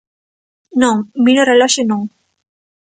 Non, mire o reloxo non.